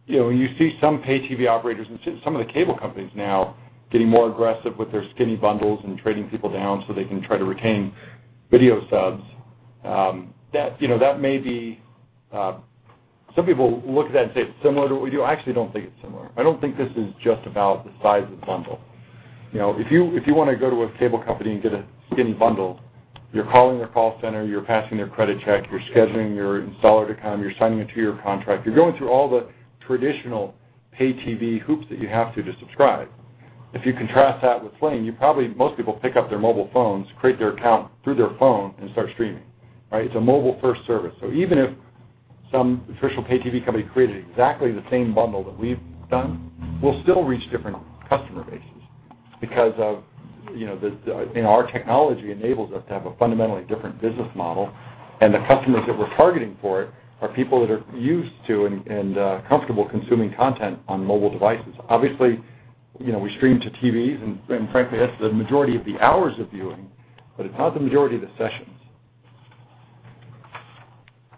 You know, when you see some pay TV operators and some of the cable companies now getting more aggressive with their skinny bundles and trading people down so they can try to retain video subs, that, you know, that may be. Some people look at that and say it's similar to what we do. I actually don't think it's similar. I don't think this is just about the size of the bundle. You know, if you, if you wanna go to a cable company and get a skinny bundle, you're calling their call center, you're passing their credit check, you're scheduling your installer to come, you're signing a two-year contract. You're going through all the traditional pay TV hoops that you have to subscribe. If you contrast that with Sling, you probably most people pick up their mobile phones, create their account through their phone, and start streaming, right? It's a mobile-first service. Even if some traditional pay TV company created exactly the same bundle that we've done, we'll still reach different customer bases because of, you know, the and our technology enables us to have a fundamentally different business model, and the customers that we're targeting for it are people that are used to and comfortable consuming content on mobile devices. Obviously, you know, we stream to TVs, and frankly, that's the majority of the hours of viewing, but it's not the majority of the sessions.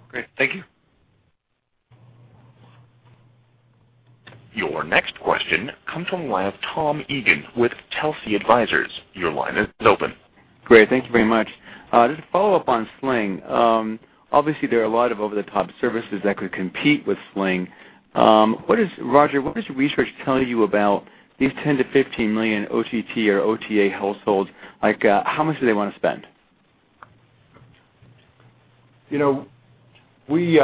Great. Thank you. Your next question comes from the line of Tom Eagan with Telsey Advisors. Your line is open. Great. Thank you very much. Just a follow-up on Sling. Obviously, there are a lot of over-the-top services that could compete with Sling. Roger, what does your research tell you about these 10 million-15 million OTT or OTA households? Like, how much do they wanna spend? You know, we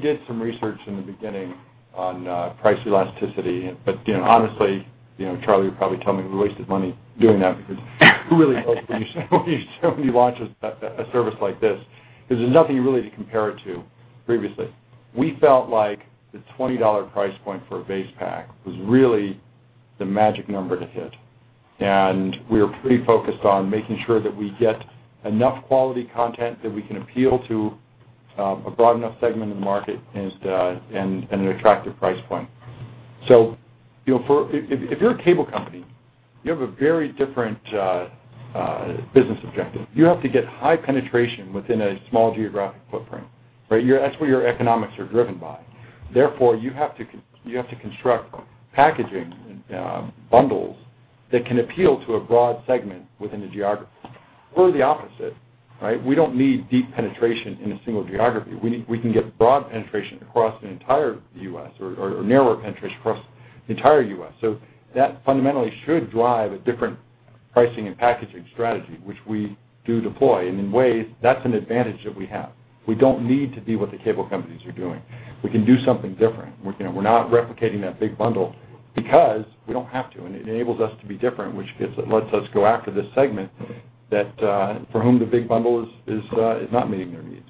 did some research in the beginning on price elasticity, but you know, honestly, you know, Charlie would probably tell me we wasted money doing that because who really knows when you launch a service like this? Because there's nothing really to compare it to previously. We felt like the $20 price point for a base pack was really the magic number to hit, and we were pretty focused on making sure that we get enough quality content that we can appeal to a broad enough segment of the market and an attractive price point. You know, if you're a cable company, you have a very different business objective. You have to get high penetration within a small geographic footprint, right? That's what your economics are driven by. You have to construct packaging, bundles that can appeal to a broad segment within a geography. We're the opposite, right? We don't need deep penetration in a single geography. We can get broad penetration across the entire U.S. or narrower penetration across the entire U.S. That fundamentally should drive a different pricing and packaging strategy, which we do deploy. In ways, that's an advantage that we have. We don't need to be what the cable companies are doing. We can do something different. We're, you know, we're not replicating that big bundle because we don't have to, and it enables us to be different, which lets us go after this segment that for whom the big bundle is not meeting their needs.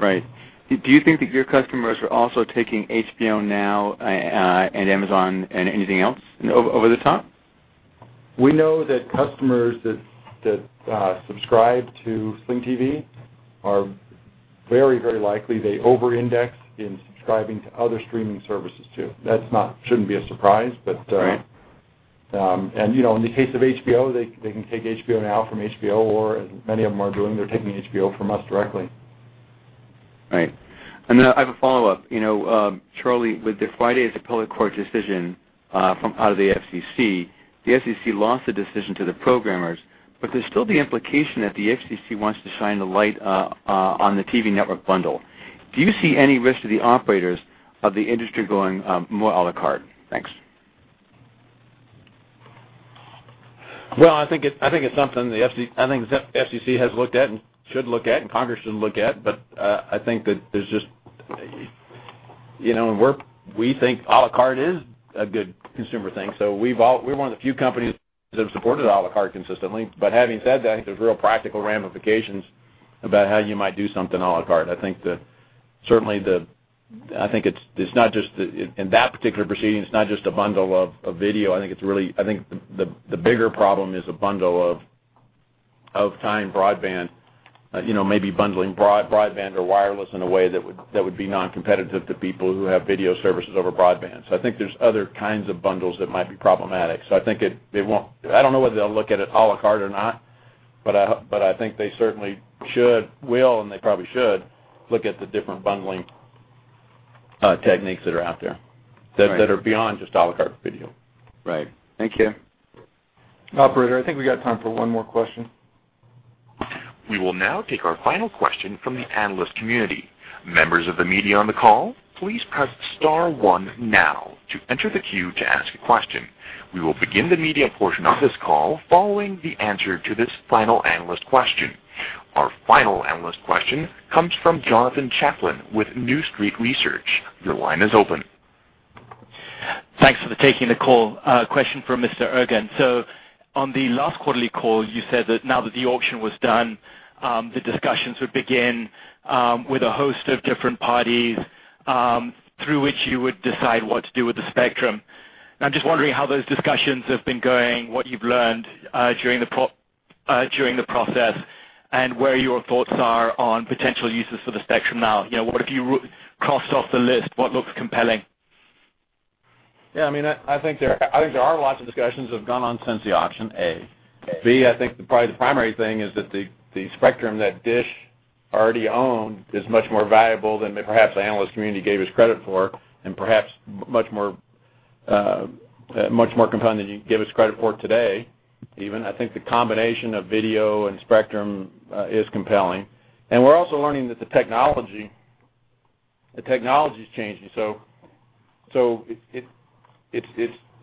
Right. Do you think that your customers are also taking HBO Now, and Amazon and anything else over the top? We know that customers that subscribe to Sling TV are very, very likely, they over-index in subscribing to other streaming services too. That shouldn't be a surprise. Right You know, in the case of HBO, they can take HBO Now from HBO, or as many of them are doing, they're taking HBO from us directly. Right. I have a follow-up. You know, Charlie, with the Friday's appellate court decision, from out of the FCC, the FCC lost the decision to the programmers, but there's still the implication that the FCC wants to shine the light on the TV network bundle. Do you see any risk to the operators of the industry going more à la carte? Thanks. Well, I think it's something the FCC has looked at and should look at and Congress should look at, I think that there's just You know, we think à la carte is a good consumer thing, so we're one of the few companies that have supported à la carte consistently. Having said that, I think there's real practical ramifications about how you might do something à la carte. I think the, certainly it's not just the In that particular proceeding, it's not just a bundle of video. I think it's really I think the bigger problem is a bundle of time broadband. You know, maybe bundling broadband or wireless in a way that would be non-competitive to people who have video services over broadband. I think there's other kinds of bundles that might be problematic. I think I don't know whether they'll look at it à la carte or not, but I think they certainly should, will, and they probably should look at the different bundling techniques that are out there. Right That are beyond just à la carte video. Right. Thank you. Operator, I think we got time for one more question. We will now take our final question from the analyst community. Members of the media on the call, please press star one now to enter the queue to ask a question. We will begin the media portion of this call following the answer to this final analyst question. Our final analyst question comes from Jonathan Chaplin with New Street Research. Your line is open. Thanks for taking the call. Question for Mr. Ergen. On the last quarterly call, you said that now that the auction was done, the discussions would begin with a host of different parties, through which you would decide what to do with the spectrum. I'm just wondering how those discussions have been going, what you've learned during the process, and where your thoughts are on potential uses for the spectrum now. You know, what have you crossed off the list, what looks compelling? Yeah, I mean, I think there are lots of discussions that have gone on since the auction, A. B, I think probably the primary thing is that the spectrum that DISH already own is much more valuable than perhaps the analyst community gave us credit for and perhaps much more compelling than you give us credit for today even. I think the combination of video and spectrum is compelling. We're also learning that the technology's changing.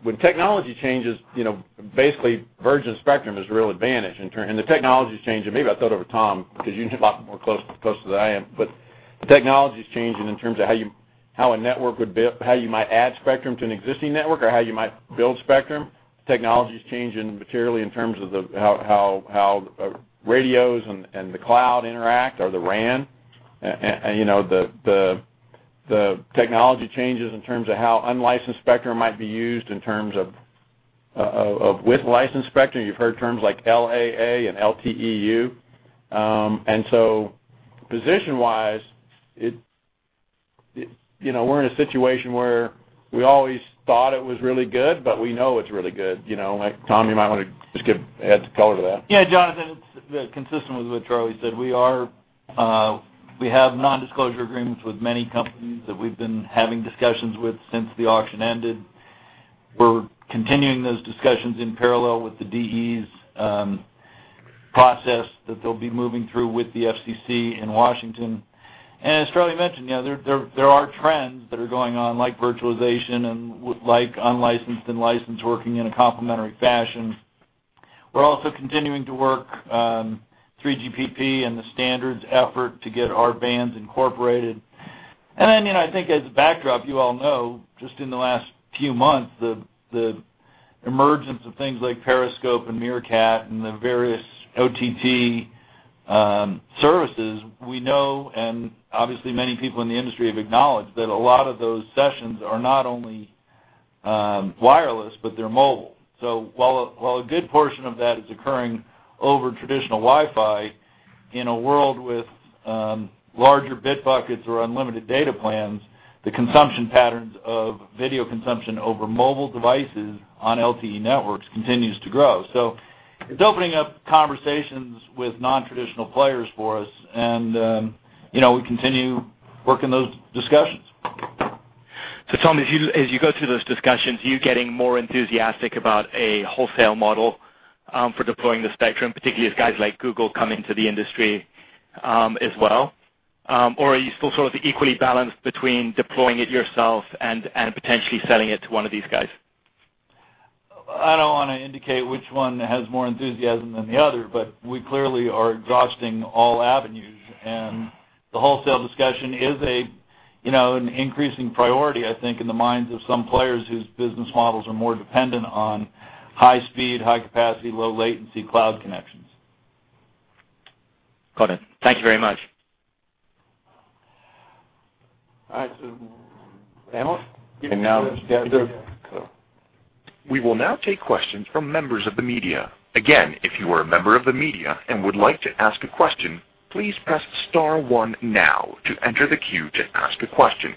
When technology changes, you know, basically virgin spectrum is a real advantage and the technology's changing. Maybe I thought of it, Tom, 'cause you're a lot more closer than I am. The technology's changing in terms of how you, how a network would how you might add spectrum to an existing network or how you might build spectrum. Technology's changing materially in terms of the how radios and the cloud interact or the RAN. You know, the technology changes in terms of how unlicensed spectrum might be used in terms of of with licensed spectrum. You've heard terms like LAA and LTE-U. Position-wise it, you know, we're in a situation where we always thought it was really good, but we know it's really good. You know, like Tom, you might wanna just add some color to that. Yeah, Jonathan, it's consistent with what Charlie said. We have non-disclosure agreements with many companies that we've been having discussions with since the auction ended. We're continuing those discussions in parallel with the DE's process that they'll be moving through with the FCC in Washington. As Charlie mentioned, you know, there are trends that are going on like virtualization and like unlicensed and licensed working in a complementary fashion. We're also continuing to work 3GPP and the standards effort to get our bands incorporated. You know, I think as a backdrop, you all know just in the last few months, the emergence of things like Periscope and Meerkat and the various OTT services, we know, and obviously many people in the industry have acknowledged, that a lot of those sessions are not only wireless, but they're mobile. While a good portion of that is occurring over traditional Wi-Fi, in a world with larger bit buckets or unlimited data plans, the consumption patterns of video consumption over mobile devices on LTE networks continues to grow. It's opening up conversations with non-traditional players for us and, you know, we continue working those discussions. Tom, as you go through those discussions, are you getting more enthusiastic about a wholesale model, for deploying the spectrum, particularly as guys like Google come into the industry, as well? Or are you still sort of equally balanced between deploying it yourself and, potentially selling it to one of these guys? I don't wanna indicate which one has more enthusiasm than the other, but we clearly are exhausting all avenues. The wholesale discussion is a, you know, an increasing priority I think in the minds of some players whose business models are more dependent on high speed, high capacity, low latency cloud connections. Got it. Thank you very much. All right, analyst? And now- Yeah, go. We will now take questions from members of the media. Again, if you are a member of the media and would like to ask a question, please press star one now to enter the queue to ask a question.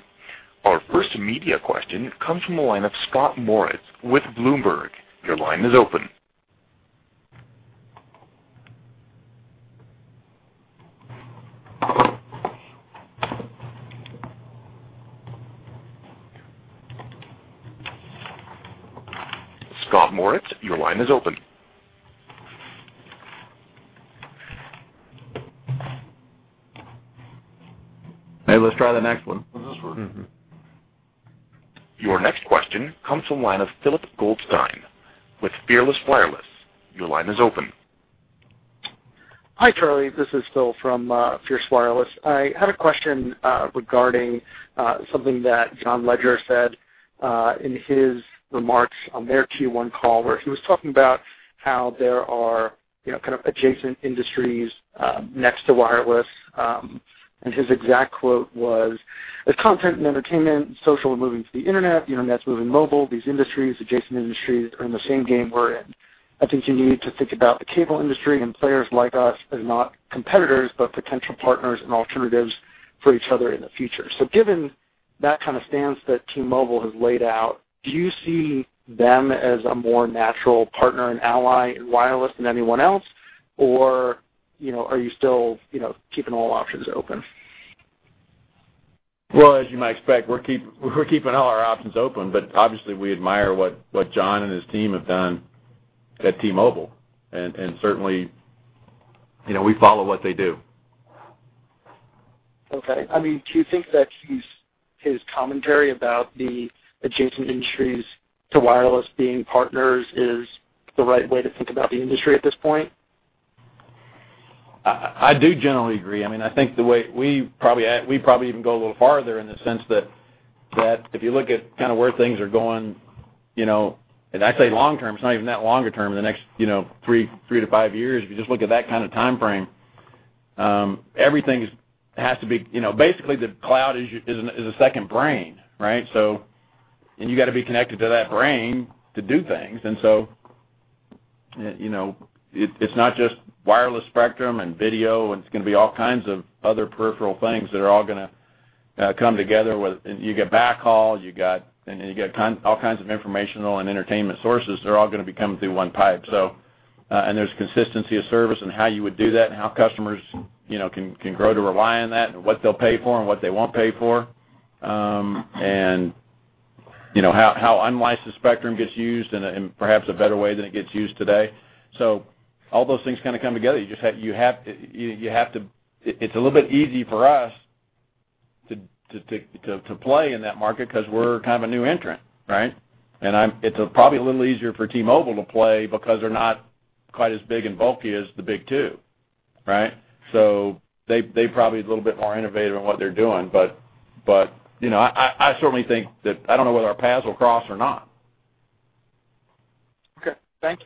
Our first media question comes from the line of Scott Moritz with Bloomberg. Your line is open. Scott Moritz, your line is open. Hey, let's try the next one. How does this work? Your next question comes from the line of Philip Goldstein with FierceWireless. Your line is open. Hi, Charlie. This is Phil from FierceWireless. I had a question regarding something that John Legere said in his remarks on their Q1 call, where he was talking about how there are, you know, kind of adjacent industries next to wireless. His exact quote was, "As content and entertainment and social are moving to the internet, the internet's moving mobile, these industries, adjacent industries are in the same game we're in. I think you need to think about the cable industry and players like us as not competitors, but potential partners and alternatives for each other in the future." Given that kind of stance that T-Mobile has laid out, do you see them as a more natural partner and ally in wireless than anyone else? You know, are you still, you know, keeping all options open? Well, as you might expect, we're keeping all our options open, obviously we admire what John and his team have done at T-Mobile. Certainly, you know, we follow what they do. Okay. I mean, do you think that his commentary about the adjacent industries to wireless being partners is the right way to think about the industry at this point? I do generally agree. I mean, I think the way we probably even go a little farther in the sense that if you look at kinda where things are going, you know, and I say long term, it's not even that longer term, in the next, you know, 3 to 5 years, if you just look at that kinda timeframe, everything is, has to be You know, basically the cloud is your, is a second brain, right? And you gotta be connected to that brain to do things. You know, it's not just wireless spectrum and video, it's gonna be all kinds of other peripheral things that are all gonna come together and you get backhaul, you got, and you get kind, all kinds of informational and entertainment sources that are all gonna be coming through one pipe. There's consistency of service and how you would do that and how customers, you know, can grow to rely on that and what they'll pay for and what they won't pay for. You know, how unlicensed spectrum gets used in perhaps a better way than it gets used today. All those things kinda come together. It's a little bit easy for us to take, to play in that market 'cause we're kind of a new entrant, right? It's probably a little easier for T-Mobile to play because they're not quite as big and bulky as the big two, right? They probably a little bit more innovative in what they're doing. You know, I certainly think that I don't know whether our paths will cross or not. Okay. Thank you.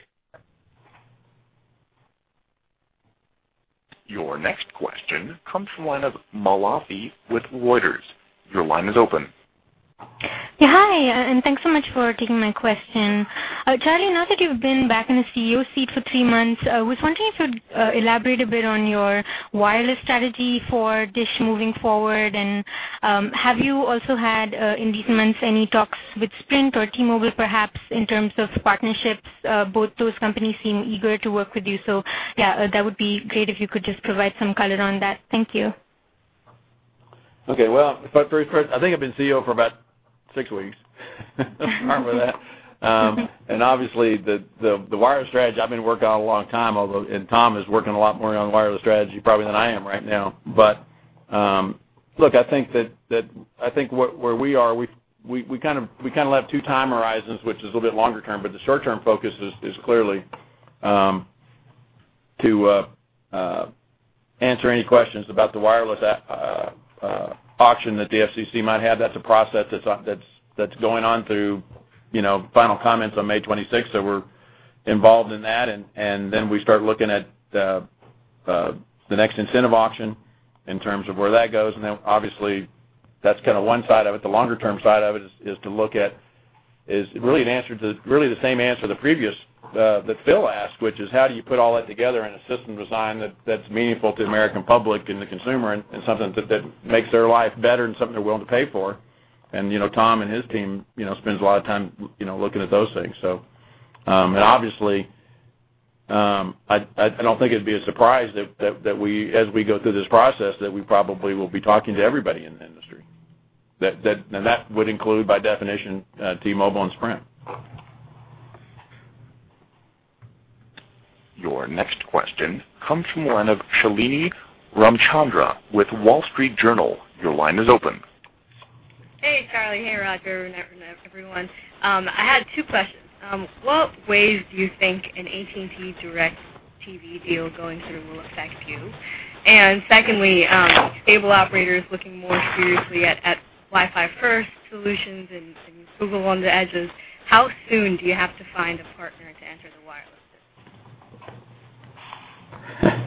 Your next question comes from the line of Malathi with Reuters. Your line is open. Yeah. Hi, and thanks so much for taking my question. Charlie, now that you've been back in the CEO seat for three months, I was wondering if you'd elaborate a bit on your wireless strategy for DISH moving forward. Have you also had in these months any talks with Sprint or T-Mobile perhaps in terms of partnerships? Both those companies seem eager to work with you. Yeah, that would be great if you could just provide some color on that. Thank you. Okay. Well, first I think I've been CEO for about six weeks. Start with that. Obviously the wireless strategy I've been working on a long time, although, and Tom is working a lot more on wireless strategy probably than I am right now. Look, I think that I think where we are, we kind of have two time horizons, which is a little bit longer term, but the short term focus is clearly to answer any questions about the wireless auction that the FCC might have. That's a process that's going on through, you know, final comments on May 26th, so we're involved in that. Then we start looking at the next incentive auction in terms of where that goes. Obviously that's kinda one side of it. The longer term side of it is to look at, is really an answer to the same answer the previous that Phil asked, which is how do you put all that together in a system design that's meaningful to the American public and the consumer and something that makes their life better and something they're willing to pay for? You know, Tom and his team, you know, spends a lot of time, you know, looking at those things. Obviously, I don't think it'd be a surprise if that we as we go through this process that we probably will be talking to everybody in the industry. That would include by definition T-Mobile and Sprint. Your next question comes from the line of Shalini Ramachandran with The Wall Street Journal. Your line is open. Hey, Charlie. Hey, Roger. Everyone. I had two questions. What ways do you think an AT&T DirecTV deal going through will affect you? Secondly, cable operators looking more seriously at Wi-Fi first solutions and Google on the edges, how soon do you have to find a partner to enter the wireless system?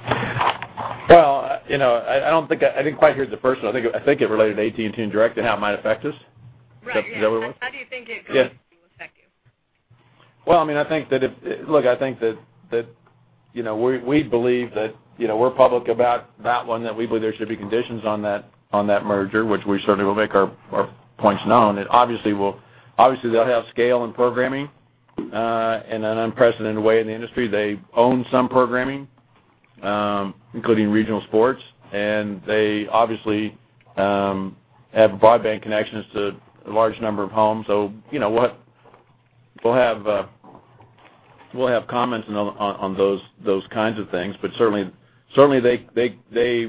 Well, you know, I don't think I didn't quite hear the first one. I think it related to AT&T and DirecTV and how it might affect us. Right. Yeah. Is that what it was? How do you think it going to affect you? Well, I mean, I think that Look, I think that, you know, we believe that, you know, we're public about that one, that we believe there should be conditions on that, on that merger, which we certainly will make our points known. Obviously they'll have scale and programming in an unprecedented way in the industry. They own some programming, including regional sports, and they obviously have broadband connections to a large number of homes. You know what, we'll have comments on those kinds of things. Certainly they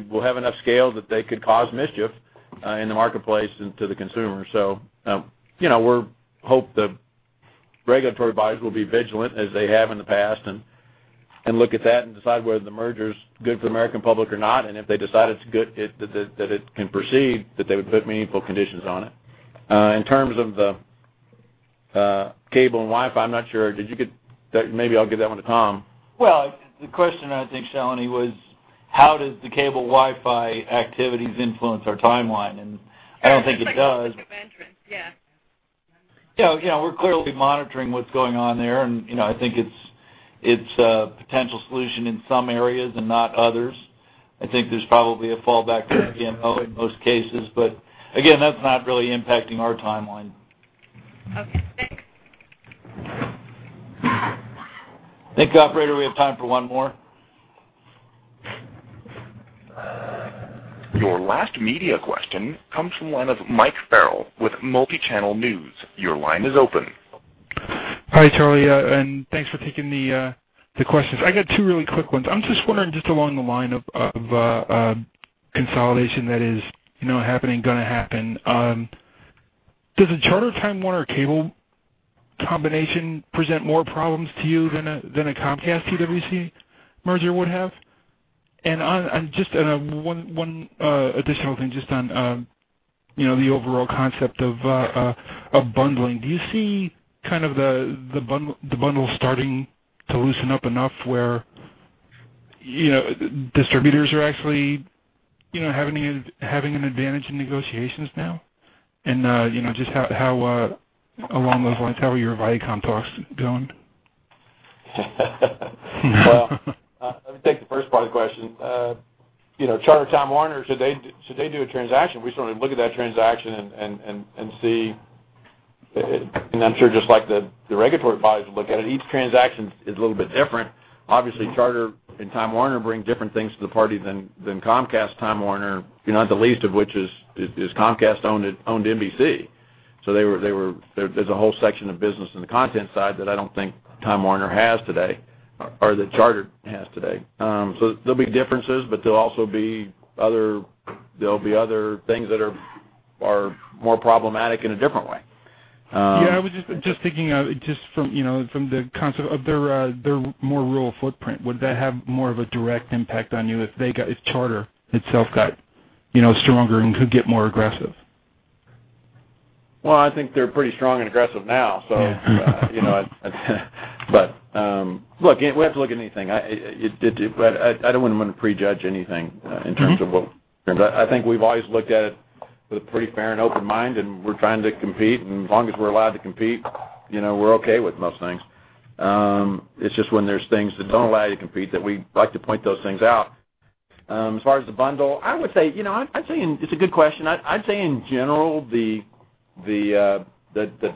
will have enough scale that they could cause mischief in the marketplace and to the consumer. We're hope the regulatory bodies will be vigilant as they have in the past and look at that and decide whether the merger's good for the American public or not, and if they decide it's good, it, that it can proceed, that they would put meaningful conditions on it. In terms of the cable and Wi-Fi, I'm not sure. Did you get? Maybe I'll give that one to Tom. Well, the question I think, Shalini, was how does the cable Wi-Fi activities influence our timeline? I don't think it does. Yeah. We're clearly monitoring what's going on there, and you know, I think it's a potential solution in some areas and not others. I think there's probably a fallback to the MNO in most cases, but again, that's not really impacting our timeline. Okay, thanks. Thank you, operator. We have time for one more. Your last media question comes from the line of Mike Farrell with Multichannel News. Your line is open. Hi, Charlie, thanks for taking the questions. I got two really quick ones. I'm just wondering just along the line of consolidation that is, you know, happening, gonna happen, does the Charter/Time Warner Cable combination present more problems to you than a Comcast/TWC merger would have? Just one additional thing just on, you know, the overall concept of bundling. Do you see kind of the bundle starting to loosen up enough where, you know, distributors are actually, you know, having an advantage in negotiations now? You know, just how along those lines, how are your Viacom talks going? Well, let me take the first part of the question. You know, Charter/Time Warner, should they do a transaction, we certainly look at that transaction and see, and I'm sure just like the regulatory advisors look at it, each transaction is a little bit different. Obviously, Charter and Time Warner bring different things to the party than Comcast/Time Warner, you know, not the least of which is Comcast owned NBC. There's a whole section of business in the content side that I don't think Time Warner has today or that Charter has today. There'll be differences, but there'll also be other things that are more problematic in a different way. Yeah, I was just thinking of it just from, you know, from the concept of their more rural footprint. Would that have more of a direct impact on you if Charter itself got, you know, stronger and could get more aggressive? Well, I think they're pretty strong and aggressive now. Yeah. You know, look, we have to look at anything. I don't wanna prejudge anything in terms of what I think we've always looked at it with a pretty fair and open mind, and we're trying to compete, and as long as we're allowed to compete, you know, we're okay with most things. It's just when there's things that don't allow you to compete that we like to point those things out. As far as the bundle, I would say, you know, I'd say it's a good question. I'd say in general, the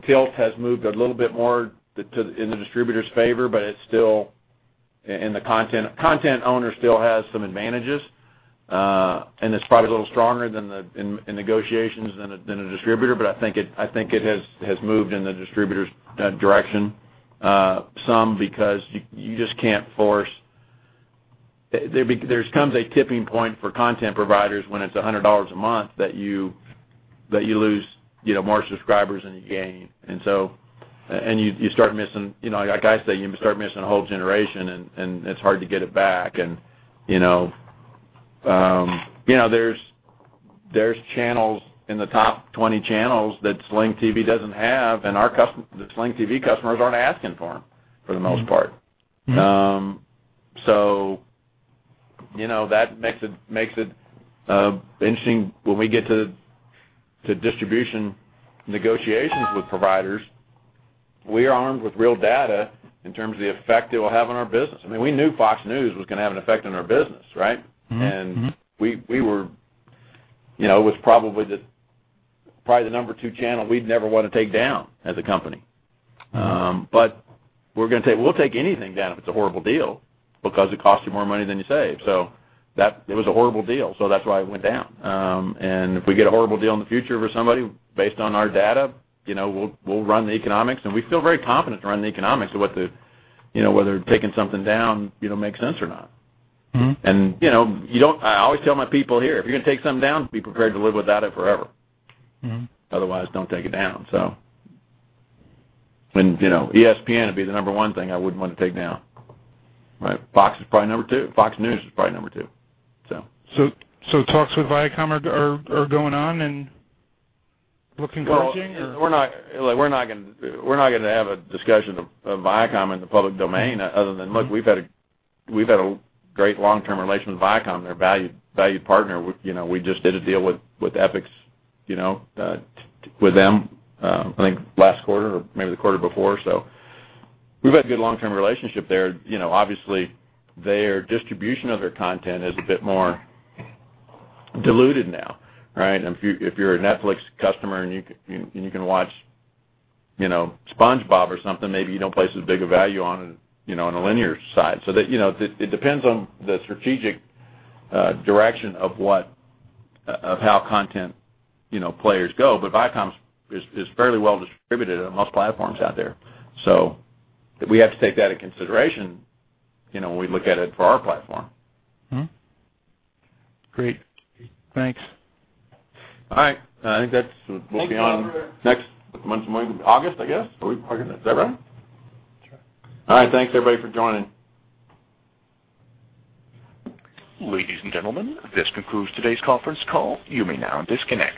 tilt has moved a little bit more to the distributor's favor, but it's still and the content owner still has some advantages, and it's probably a little stronger than in negotiations than a distributor, but I think it has moved in the distributor's direction some because you just can't force There comes a tipping point for content providers when it's $100 a month that you lose, you know, more subscribers than you gain. You start missing, you know, like I say, you start missing a whole generation and it's hard to get it back. You know, you know, there's channels in the top 20 channels that Sling TV doesn't have, and the Sling TV customers aren't asking for them for the most part. You know, that makes it interesting when we get to distribution negotiations with providers, we are armed with real data in terms of the effect it will have on our business. I mean, we knew Fox News was gonna have an effect on our business, right? Mm-hmm. Mm-hmm. We were You know, it was probably the number 2 channel we'd never wanna take down as a company. We'll take anything down if it's a horrible deal because it costs you more money than you save. That it was a horrible deal, so that's why it went down. If we get a horrible deal in the future for somebody based on our data, you know, we'll run the economics, and we feel very confident to run the economics of what the you know, whether taking something down, you know, makes sense or not. You know, I always tell my people here, "If you're gonna take something down, be prepared to live without it forever. Otherwise, don't take it down, so. You know, ESPN would be the number one thing I wouldn't want to take down, right? Fox is probably number two. Fox News is probably number two, so. Talks with Viacom are going on and looking promising. We're not Like, we're not gonna, we're not gonna have a discussion of Viacom in the public domain other than, look, we've had a great long-term relationship with Viacom. They're a valued partner. You know, we just did a deal with Epix, you know, with them, I think last quarter or maybe the quarter before. We've had a good long-term relationship there. You know, obviously their distribution of their content is a bit more diluted now, right? If you're a Netflix customer and you can watch, you know, SpongeBob or something, maybe you don't place as big a value on it, you know, on the linear side. The You know, it depends on the strategic direction of what of how content, you know, players go. Viacom's is fairly well distributed on most platforms out there. We have to take that in consideration, you know, when we look at it for our platform. Mm-hmm. Great. Thanks. All right. We'll be on next month, August, I guess. Are we August? Is that right? That's right. All right. Thanks, everybody, for joining. Ladies and gentlemen, this concludes today's conference call. You may now disconnect.